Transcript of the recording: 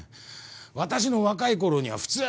私の若い頃には普通に。